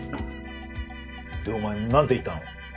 でお前何て言ったの？